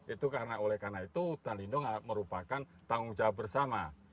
itu karena oleh karena itu hutan lindung merupakan tanggung jawab bersama